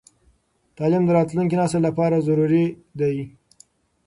تعليم د راتلونکي نسل لپاره ضروري دی.